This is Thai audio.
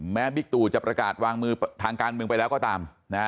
บิ๊กตู่จะประกาศวางมือทางการเมืองไปแล้วก็ตามนะฮะ